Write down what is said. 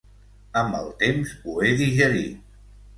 Amb el temps ho he digerit.